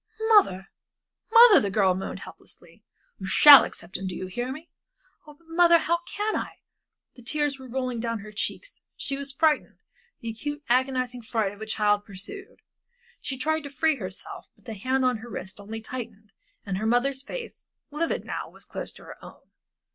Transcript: "Mother, mother," the girl moaned, helplessly. "You shall accept him, do you hear me?" "But, mother, how can I?" The tears were rolling down her cheeks, she was frightened the acute, agonizing fright of a child pursued. She tried to free herself, but the hands on her wrist only tightened, and her mother's face, livid now, was close to her own.